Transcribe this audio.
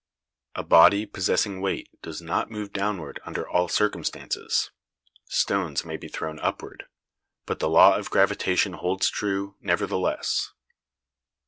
A body possessing weight does not move downward under all circumstances (stones may be thrown upward), but the law of gravitation holds true, nevertheless.